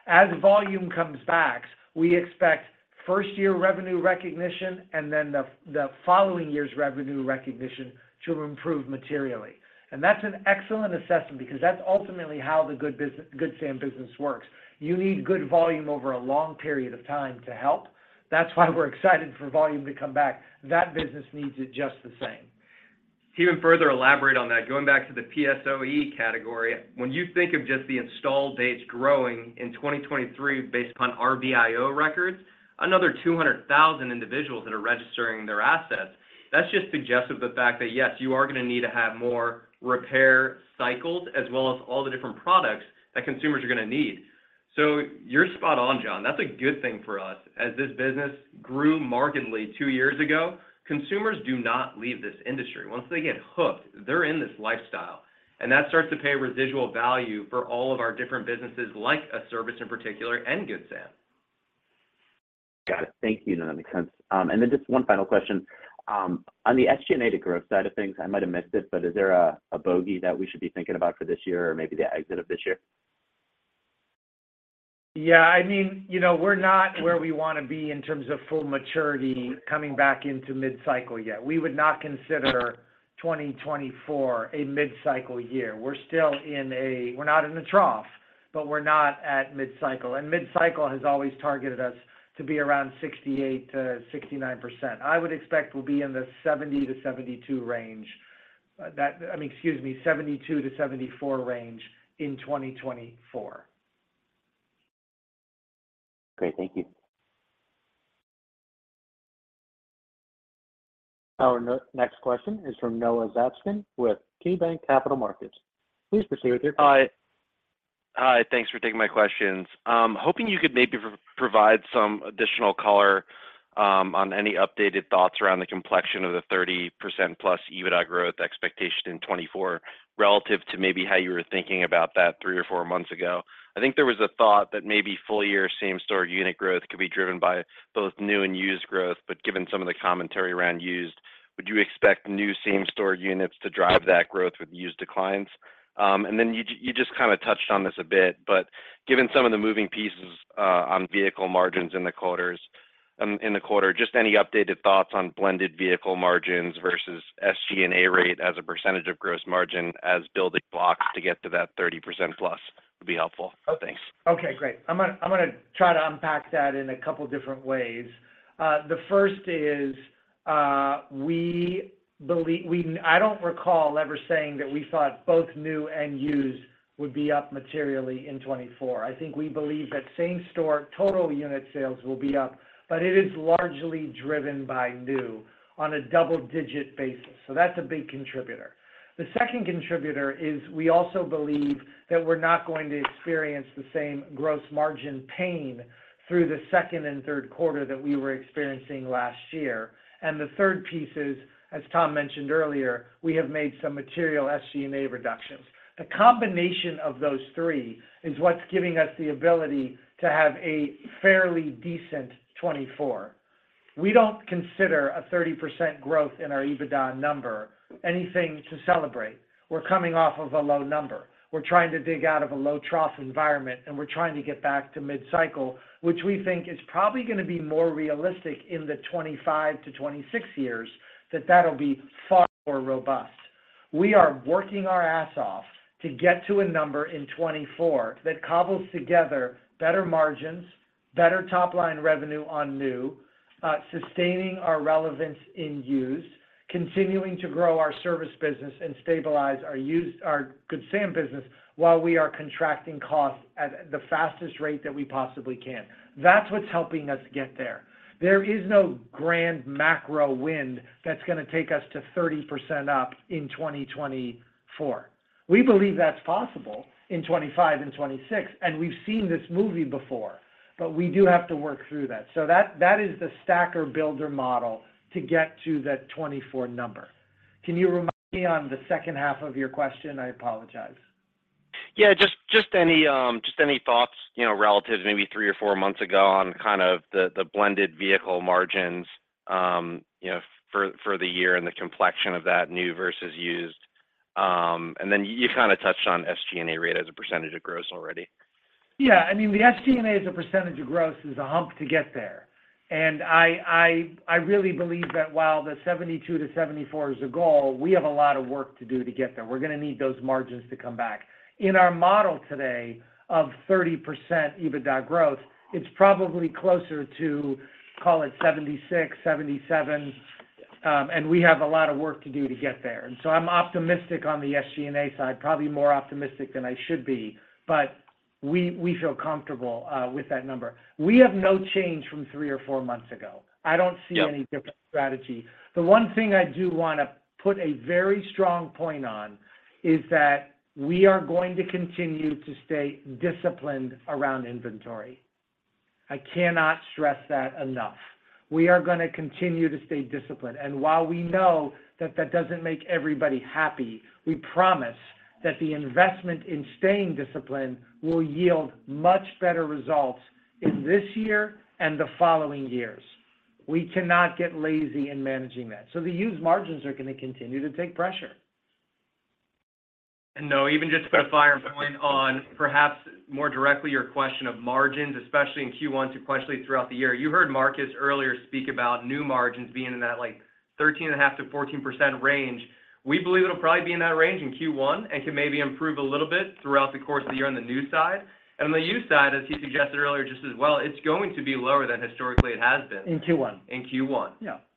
As volume comes back, we expect first-year revenue recognition and then the following year's revenue recognition to improve materially. That's an excellent assessment because that's ultimately how the Good Sam business works. You need good volume over a long period of time to help. That's why we're excited for volume to come back. That business needs it just the same. Even further elaborate on that, going back to the PSO category, when you think of just the installed dates growing in 2023 based upon RVIA records, another 200,000 individuals that are registering their assets, that's just suggestive of the fact that, yes, you are going to need to have more repair cycles as well as all the different products that consumers are going to need. So you're spot on, John. That's a good thing for us. As this business grew markedly two years ago, consumers do not leave this industry. Once they get hooked, they're in this lifestyle. And that starts to pay residual value for all of our different businesses like a service in particular and Good Sam. Got it. Thank you. That makes sense. And then just one final question. On the SG&A to growth side of things, I might have missed it, but is there a bogey that we should be thinking about for this year or maybe the exit of this year? Yeah. I mean, we're not where we want to be in terms of full maturity coming back into mid-cycle yet. We would not consider 2024 a mid-cycle year. We're still in a we're not in a trough, but we're not at mid-cycle. Mid-cycle has always targeted us to be around 68%-69%. I would expect we'll be in the 70%-72% range I mean, excuse me, 72%-74% range in 2024. Great. Thank you. Our next question is from Noah Zatzkin with KeyBanc Capital Markets. Please proceed with your question. Hi. Hi. Thanks for taking my questions. Hoping you could maybe provide some additional color on any updated thoughts around the complexion of the 30%+ EBITDA growth expectation in 2024 relative to maybe how you were thinking about that three or four months ago. I think there was a thought that maybe full-year same-store unit growth could be driven by both new and used growth. But given some of the commentary around used, would you expect new same-store units to drive that growth with used declines? And then you just kind of touched on this a bit. But given some of the moving pieces on vehicle margins in the quarters, just any updated thoughts on blended vehicle margins versus SG&A rate as a percentage of gross margin as building blocks to get to that 30%+would be helpful. Thanks. Okay. Great. I'm going to try to unpack that in a couple of different ways. The first is we believe I don't recall ever saying that we thought both new and used would be up materially in 2024. I think we believe that same-store total unit sales will be up, but it is largely driven by new on a double-digit basis. So that's a big contributor. The second contributor is we also believe that we're not going to experience the same gross margin pain through the second and third quarter that we were experiencing last year. And the third piece is, as Tom mentioned earlier, we have made some material SG&A reductions. The combination of those three is what's giving us the ability to have a fairly decent 2024. We don't consider a 30% growth in our EBITDA number anything to celebrate. We're coming off of a low number. We're trying to dig out of a low trough environment, and we're trying to get back to mid-cycle, which we think is probably going to be more realistic in the 2025-2026 years, that that'll be far more robust. We are working our ass off to get to a number in 2024 that cobbles together better margins, better topline revenue on new, sustaining our relevance in use, continuing to grow our service business, and stabilize our Good Sam business while we are contracting costs at the fastest rate that we possibly can. That's what's helping us get there. There is no grand macro wind that's going to take us to 30% up in 2024. We believe that's possible in 2025 and 2026, and we've seen this movie before. But we do have to work through that. So that is the stacker-builder model to get to that 2024 number. Can you remind me on the second half of your question? I apologize. Yeah. Just any thoughts relative to maybe three or four months ago on kind of the blended vehicle margins for the year and the complexion of that new versus used? And then you kind of touched on SG&A rate as a percentage of gross already. Yeah. I mean, the SG&A as a percentage of gross is a hump to get there. I really believe that while the 72%-74% is a goal, we have a lot of work to do to get there. We're going to need those margins to come back. In our model today of 30% EBITDA growth, it's probably closer to, call it, 76%-77%. We have a lot of work to do to get there. I'm optimistic on the SG&A side, probably more optimistic than I should be, but we feel comfortable with that number. We have no change from three or four months ago. I don't see any different strategy. The one thing I do want to put a very strong point on is that we are going to continue to stay disciplined around inventory. I cannot stress that enough. We are going to continue to stay disciplined. While we know that that doesn't make everybody happy, we promise that the investment in staying disciplined will yield much better results in this year and the following years. We cannot get lazy in managing that. The used margins are going to continue to take pressure. Noah, even just to clarify and point on perhaps more directly your question of margins, especially in Q1 to quarterly throughout the year, you heard Marcus earlier speak about new margins being in that 13.5%-14% range. We believe it'll probably be in that range in Q1 and can maybe improve a little bit throughout the course of the year on the new side. And on the used side, as he suggested earlier just as well, it's going to be lower than historically it has been. In Q1. In Q1,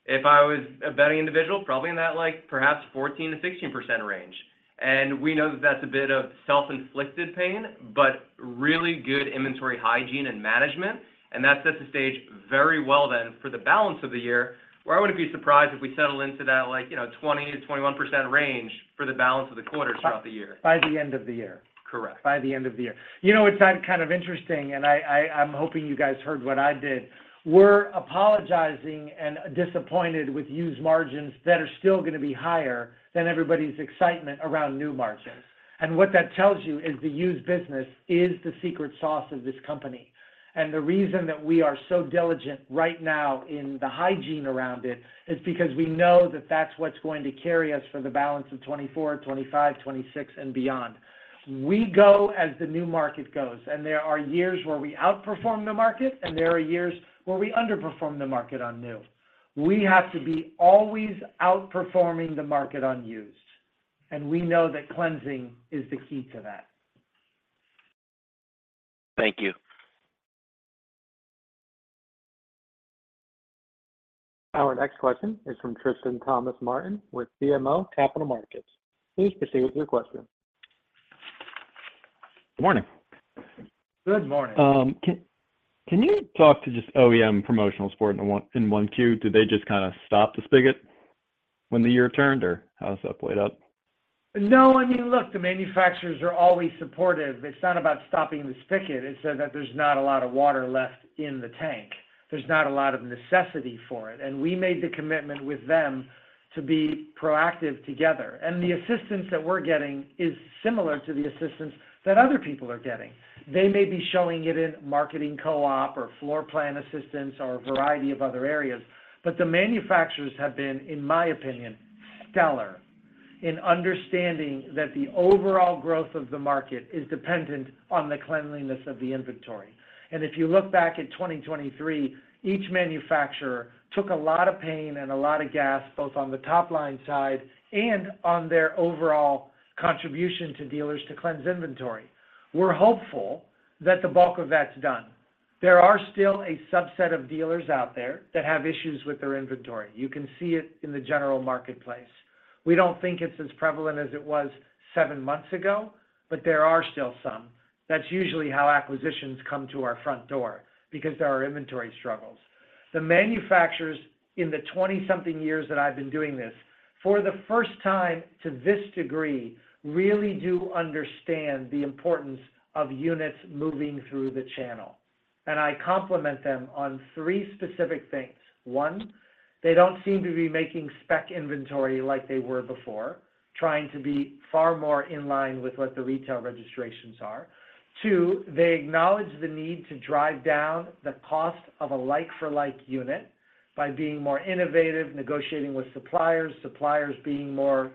if I was a betting individual, probably in that perhaps 14%-16% range. And we know that that's a bit of self-inflicted pain but really good inventory hygiene and management. And that sets the stage very well then for the balance of the year where I wouldn't be surprised if we settle into that 20%-21% range for the balance of the quarters throughout the year. By the end of the year? Correct. By the end of the year. It's kind of interesting, and I'm hoping you guys heard what I did. We're apologizing and disappointed with used margins that are still going to be higher than everybody's excitement around new margins. And what that tells you is the used business is the secret sauce of this company. And the reason that we are so diligent right now in the hygiene around it is because we know that that's what's going to carry us for the balance of 2024, 2025, 2026, and beyond. We go as the new market goes. And there are years where we outperform the market, and there are years where we underperform the market on new. We have to be always outperforming the market on used. And we know that cleansing is the key to that. Thank you. Our next question is from Tristan Thomas-Martin with BMO Capital Markets. Please proceed with your question. Good morning. Good morning. Can you talk to just OEM promotional support in 1Q? Did they just kind of stop the spigot when the year turned, or how's that played out? No. I mean, look, the manufacturers are always supportive. It's not about stopping the spigot. It's that there's not a lot of water left in the tank. There's not a lot of necessity for it. And we made the commitment with them to be proactive together. And the assistance that we're getting is similar to the assistance that other people are getting. They may be showing it in marketing co-op or floor plan assistance or a variety of other areas, but the manufacturers have been, in my opinion, stellar in understanding that the overall growth of the market is dependent on the cleanliness of the inventory. And if you look back at 2023, each manufacturer took a lot of pain and a lot of gas both on the topline side and on their overall contribution to dealers to cleanse inventory. We're hopeful that the bulk of that's done. There are still a subset of dealers out there that have issues with their inventory. You can see it in the general marketplace. We don't think it's as prevalent as it was seven months ago, but there are still some. That's usually how acquisitions come to our front door because there are inventory struggles. The manufacturers in the 20-something years that I've been doing this, for the first time to this degree, really do understand the importance of units moving through the channel. I compliment them on three specific things. One, they don't seem to be making spec inventory like they were before, trying to be far more in line with what the retail registrations are. Two, they acknowledge the need to drive down the cost of a like-for-like unit by being more innovative, negotiating with suppliers, suppliers being more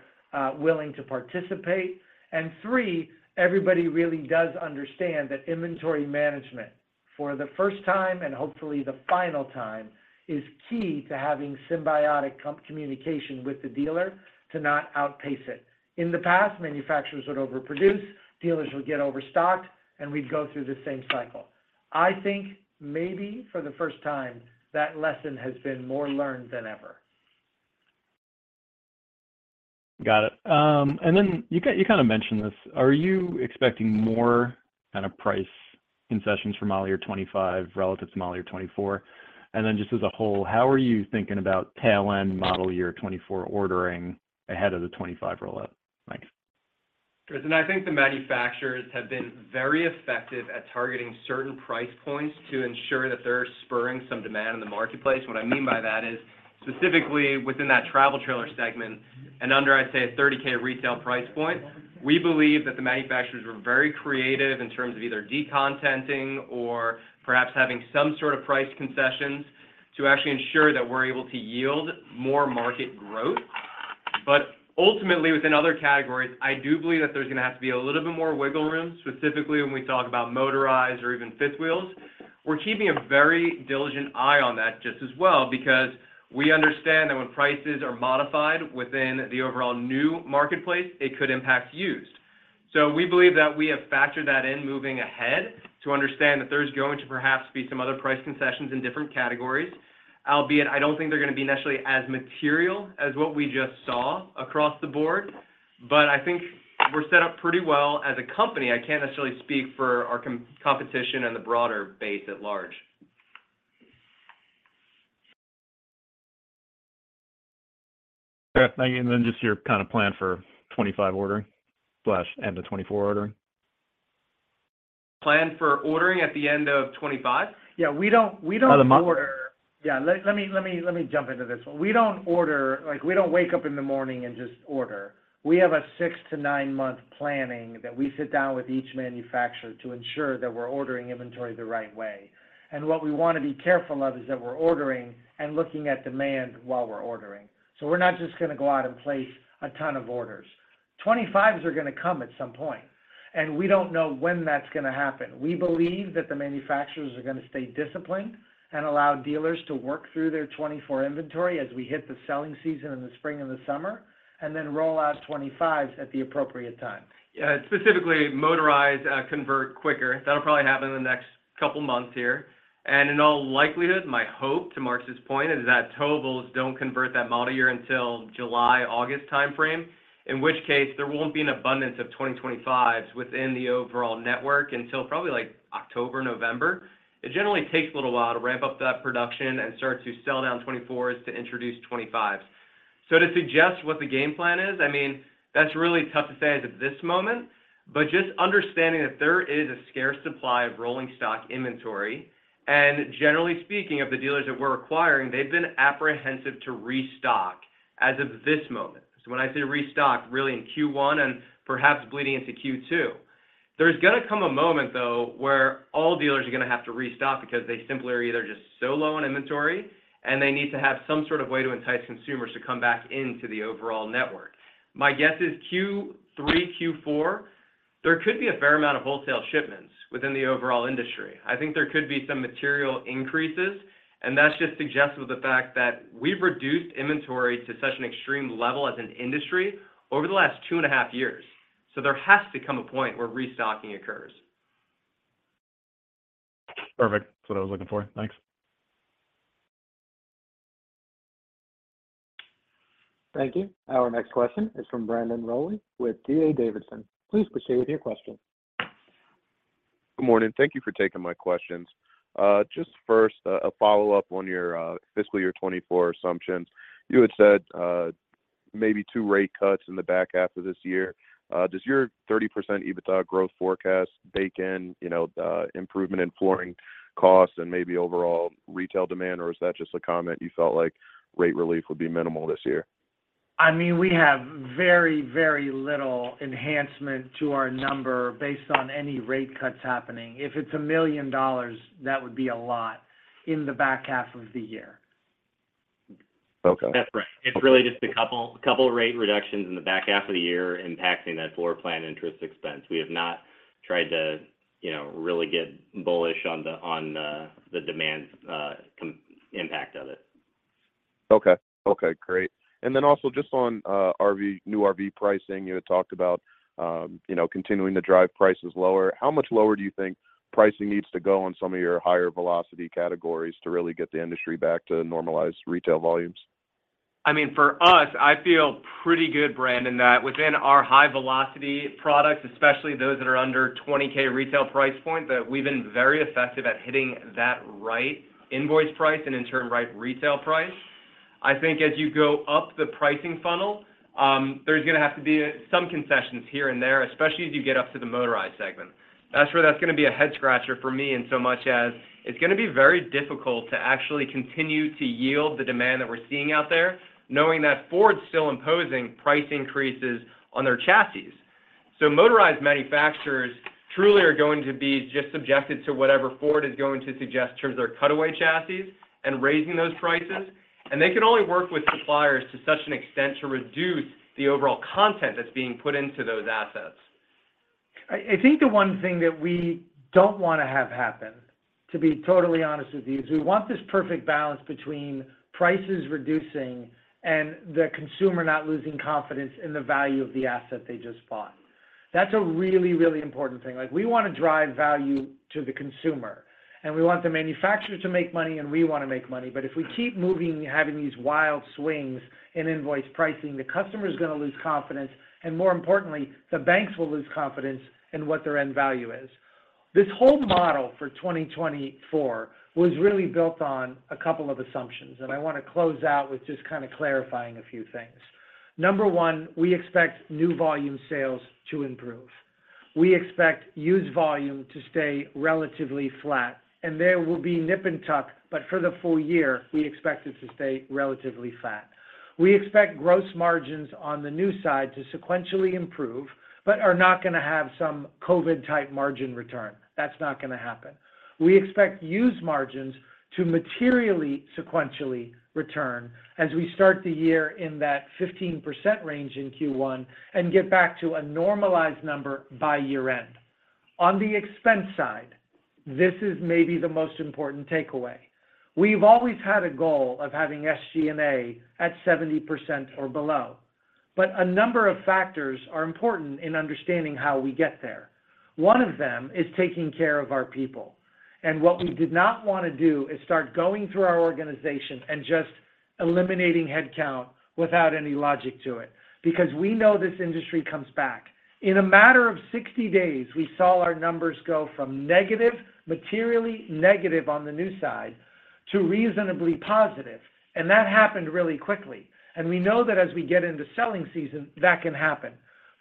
willing to participate. And three, everybody really does understand that inventory management for the first time and hopefully the final time is key to having symbiotic communication with the dealer to not outpace it. In the past, manufacturers would overproduce, dealers would get overstocked, and we'd go through the same cycle. I think maybe for the first time, that lesson has been more learned than ever. Got it. And then you kind of mentioned this. Are you expecting more kind of price concessions from model year 2025 relative to model year 2024? And then just as a whole, how are you thinking about tail-end model year 2024 ordering ahead of the 2025 rollout? Thanks. Tristan, I think the manufacturers have been very effective at targeting certain price points to ensure that they're spurring some demand in the marketplace. What I mean by that is specifically within that travel trailer segment and under, I'd say, a $30,000 retail price point, we believe that the manufacturers were very creative in terms of either decontenting or perhaps having some sort of price concessions to actually ensure that we're able to yield more market growth. But ultimately, within other categories, I do believe that there's going to have to be a little bit more wiggle room, specifically when we talk about motorized or even fifth wheels. We're keeping a very diligent eye on that just as well because we understand that when prices are modified within the overall new marketplace, it could impact used. So we believe that we have factored that in moving ahead to understand that there's going to perhaps be some other price concessions in different categories, albeit I don't think they're going to be necessarily as material as what we just saw across the board. But I think we're set up pretty well as a company. I can't necessarily speak for our competition and the broader base at large. Thank you. And then just your kind of plan for 2025 ordering/end of 2024 ordering? Plan for ordering at the end of 2025? Yeah. We don't order. By the month? Yeah. Let me jump into this one. We don't wake up in the morning and just order. We have a 6-9-month planning that we sit down with each manufacturer to ensure that we're ordering inventory the right way. And what we want to be careful of is that we're ordering and looking at demand while we're ordering. So we're not just going to go out and place a ton of orders. 2025s are going to come at some point, and we don't know when that's going to happen. We believe that the manufacturers are going to stay disciplined and allow dealers to work through their 2024 inventory as we hit the selling season in the spring and the summer and then roll out 2025s at the appropriate time. Yeah. Specifically, motorized convert quicker. That'll probably happen in the next couple of months here. And in all likelihood, my hope to Marcus's point is that OEMs don't convert that model year until July-August timeframe, in which case there won't be an abundance of 2025s within the overall network until probably October, November. It generally takes a little while to ramp up that production and start to sell down 2024s to introduce 2025s. So to suggest what the game plan is, I mean, that's really tough to say as of this moment, but just understanding that there is a scarce supply of rolling stock inventory. And generally speaking, of the dealers that we're acquiring, they've been apprehensive to restock as of this moment. So when I say restock, really in Q1 and perhaps bleeding into Q2.There's going to come a moment, though, where all dealers are going to have to restock because they simply are either just so low on inventory, and they need to have some sort of way to entice consumers to come back into the overall network. My guess is Q3, Q4, there could be a fair amount of wholesale shipments within the overall industry. I think there could be some material increases, and that's just suggestive of the fact that we've reduced inventory to such an extreme level as an industry over the last two and a half years. So there has to come a point where restocking occurs. Perfect. That's what I was looking for. Thanks. Thank you. Our next question is from Brandon Rolle with D.A. Davidson. Please proceed with your question. Good morning. Thank you for taking my questions. Just first, a follow-up on your fiscal year 2024 assumptions. You had said maybe two rate cuts in the back half of this year. Does your 30% EBITDA growth forecast bake in improvement in floor plan costs and maybe overall retail demand, or is that just a comment you felt like rate relief would be minimal this year? I mean, we have very, very little enhancement to our number based on any rate cuts happening. If it's $1 million, that would be a lot in the back half of the year. That's right. It's really just a couple of rate reductions in the back half of the year impacting that floor plan interest expense. We have not tried to really get bullish on the demand impact of it. Okay. Okay. Great. And then also just on new RV pricing, you had talked about continuing to drive prices lower. How much lower do you think pricing needs to go on some of your higher velocity categories to really get the industry back to normalized retail volumes? I mean, for us, I feel pretty good, Brandon, that within our high-velocity products, especially those that are under $20,000 retail price point, that we've been very effective at hitting that right invoice price and in turn right retail price. I think as you go up the pricing funnel, there's going to have to be some concessions here and there, especially as you get up to the motorized segment. That's where that's going to be a head-scratcher for me in so much as it's going to be very difficult to actually continue to yield the demand that we're seeing out there knowing that Ford's still imposing price increases on their chassis. So motorized manufacturers truly are going to be just subjected to whatever Ford is going to suggest in terms of their cutaway chassis and raising those prices. They can only work with suppliers to such an extent to reduce the overall content that's being put into those assets. I think the one thing that we don't want to have happen, to be totally honest with you, is we want this perfect balance between prices reducing and the consumer not losing confidence in the value of the asset they just bought. That's a really, really important thing. We want to drive value to the consumer, and we want the manufacturer to make money, and we want to make money. But if we keep moving and having these wild swings in invoice pricing, the customer's going to lose confidence, and more importantly, the banks will lose confidence in what their end value is. This whole model for 2024 was really built on a couple of assumptions. I want to close out with just kind of clarifying a few things. Number one, we expect new volume sales to improve. We expect used volume to stay relatively flat. There will be nip and tuck, but for the full year, we expect it to stay relatively flat. We expect gross margins on the new side to sequentially improve but are not going to have some COVID-type margin return. That's not going to happen. We expect used margins to materially, sequentially return as we start the year in that 15% range in Q1 and get back to a normalized number by year-end. On the expense side, this is maybe the most important takeaway. We've always had a goal of having SG&A at 70% or below, but a number of factors are important in understanding how we get there. One of them is taking care of our people. What we did not want to do is start going through our organization and just eliminating headcount without any logic to it because we know this industry comes back. In a matter of 60 days, we saw our numbers go from materially negative on the new side to reasonably positive. That happened really quickly. We know that as we get into selling season, that can happen.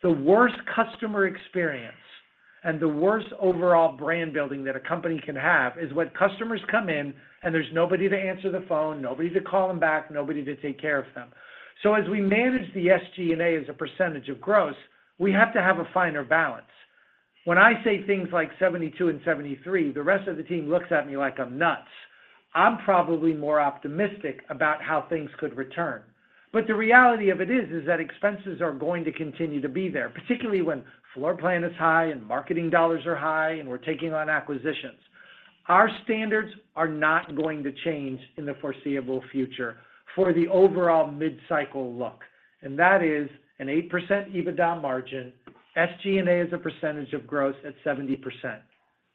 The worst customer experience and the worst overall brand building that a company can have is when customers come in, and there's nobody to answer the phone, nobody to call them back, nobody to take care of them. So as we manage the SG&A as a percentage of gross, we have to have a finer balance. When I say things like 72 and 73, the rest of the team looks at me like I'm nuts. I'm probably more optimistic about how things could return. But the reality of it is that expenses are going to continue to be there, particularly when floor plan is high and marketing dollars are high and we're taking on acquisitions. Our standards are not going to change in the foreseeable future for the overall mid-cycle look. And that is an 8% EBITDA margin, SG&A as a percentage of gross at 70%.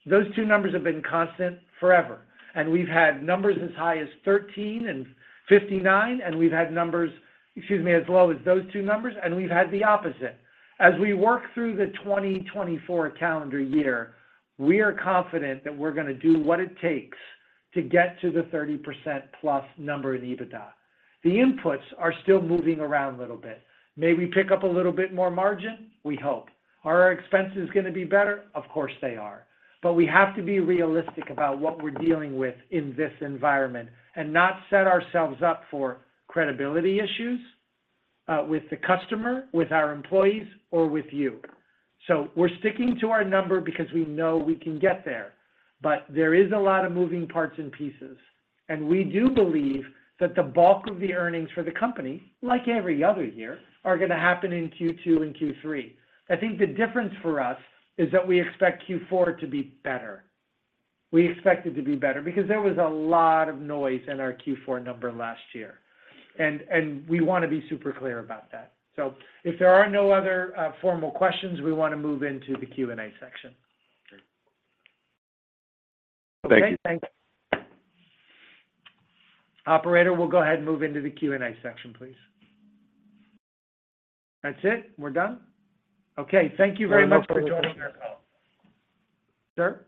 Those two numbers have been constant forever. And we've had numbers as high as 13 and 59, and we've had numbers - excuse me - as low as those two numbers, and we've had the opposite. As we work through the 2024 calendar year, we are confident that we're going to do what it takes to get to the 30%+ number in EBITDA. The inputs are still moving around a little bit. May we pick up a little bit more margin? We hope. Are our expenses going to be better? Of course, they are. But we have to be realistic about what we're dealing with in this environment and not set ourselves up for credibility issues with the customer, with our employees, or with you. So we're sticking to our number because we know we can get there. But there is a lot of moving parts and pieces. And we do believe that the bulk of the earnings for the company, like every other year, are going to happen in Q2 and Q3. I think the difference for us is that we expect Q4 to be better. We expect it to be better because there was a lot of noise in our Q4 number last year. And we want to be super clear about that. So if there are no other formal questions, we want to move into the Q&A section. Thank you. Okay. Thanks. Operator, we'll go ahead and move into the Q&A section, please. That's it? We're done? Okay. Thank you very much for joining our call. Sir?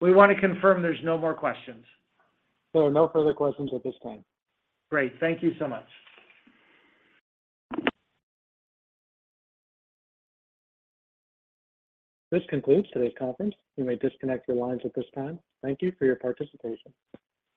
We want to confirm there's no more questions. There are no further questions at this time. Great. Thank you so much. This concludes today's conference. You may disconnect your lines at this time. Thank you for your participation.